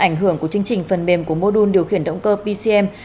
ảnh hưởng của chương trình phần mềm của mô đun điều khiển động cơ pcm